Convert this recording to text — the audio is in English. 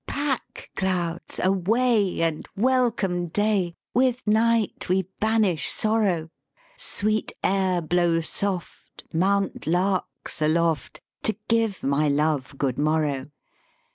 " Pack, clouds, away, and welcome day, With night we banish sorrow; Sweet air blow soft, mount larks aloft To give my Love good morrow!